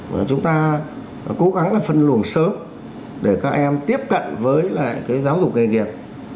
và chúng ta cố gắng là phân luồng sớm để các em tiếp cận với lại cái giáo dục nghề nghiệp